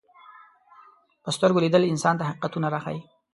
په سترګو لیدل انسان ته حقیقتونه راښيي